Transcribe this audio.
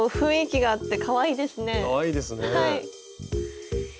かわいいですね。